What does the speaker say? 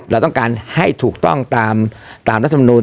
เราต้องการให้ถูกต้องตามรัฐมนุน